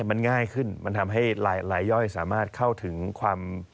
มันง่ายขึ้นมันทำให้รายย่อยสามารถเข้าถึงความ